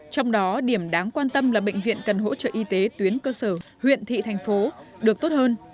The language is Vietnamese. trong đó điểm đáng quan tâm là bệnh viện cần hỗ trợ y tế tuyến cơ sở huyện thị thành phố được tốt hơn